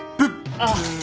ああ。